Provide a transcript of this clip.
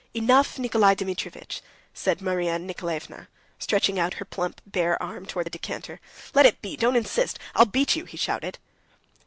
"Enough, Nikolay Dmitrievitch!" said Marya Nikolaevna, stretching out her plump, bare arm towards the decanter. "Let it be! Don't insist! I'll beat you!" he shouted.